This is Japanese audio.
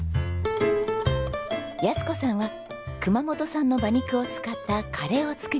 安子さんは熊本産の馬肉を使ったカレーを作ります。